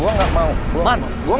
gue gak mau